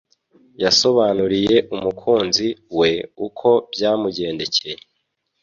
yasobanuriye umukunzi we uko byamugendekeye